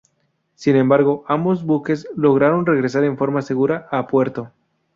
Sin embargo, ambos buques lograron regresar en forma segura a puerto.